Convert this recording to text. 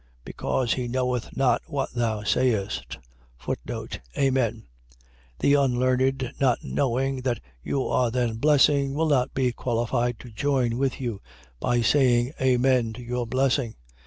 Because he knoweth not what thou sayest. Amen. . .The unlearned, not knowing that you are then blessing, will not be qualified to join with you by saying Amen to your blessing.